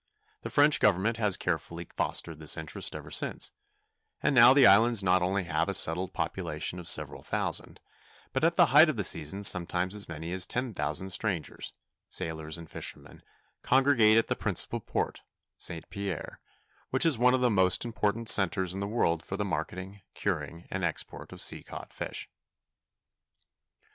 The French government has carefully fostered this interest ever since, and now the islands not only have a settled population of several thousand, but at the height of the season sometimes as many as ten thousand strangers (sailors and fishermen) congregate at the principal port, St. Pierre, which is one of the most important centers in the world for the marketing, curing, and export of sea caught fish.